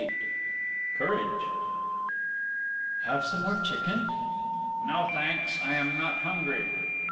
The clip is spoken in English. XXVIII COURAGE "Have some more chicken?" "No, thanks: I am not hungry."